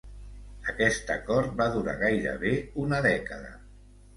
Aquest acord va durar gairebé una dècada.